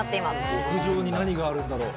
屋上に何があるんだろう？